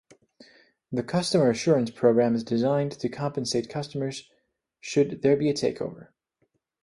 The customer assurance program is designed to compensate customers should there be a takeover.